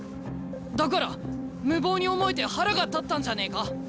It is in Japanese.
だから無謀に思えて腹が立ったんじゃねえか？